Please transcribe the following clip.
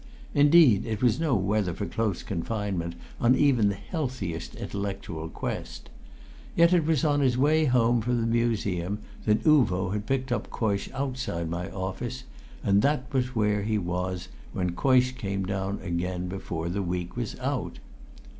Indeed, it was no weather for close confinement on even the healthiest intellectual quest. Yet it was on his way home from the museum that Uvo had picked up Coysh outside my office, and that was where he was when Coysh came down again before the week was out.